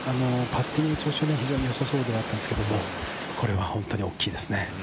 パッティングの調子よさそうだったんですけど、これは本当に大きいですね。